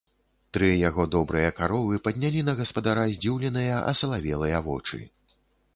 Тры яго добрыя каровы паднялі на гаспадара здзіўленыя асалавелыя вочы.